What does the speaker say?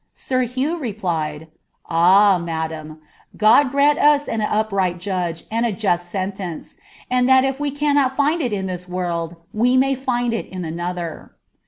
Sir Hugh replied, '^^Ah, madam; God grant us an upright judge and a just sentence! and that if we cannot find it in this world, we may find it in another.'